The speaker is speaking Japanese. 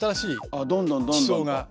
ああどんどんどんどん。